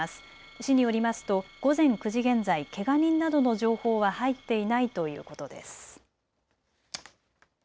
市によりますと午前９時現在、けが人などの情報は入っていないということです。